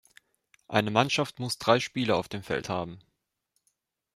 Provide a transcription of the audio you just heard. Eine Mannschaft muss drei Spieler auf dem Feld haben.